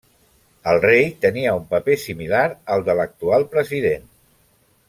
El rei tenia un paper similar al de l'actual president.